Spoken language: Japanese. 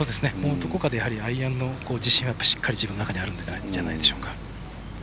どこかでアイアンの自信はしっかり自分の中にあるんじゃないでしょうか。